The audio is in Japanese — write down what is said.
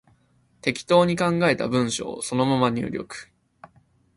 適当に考えた文章をそのまま入力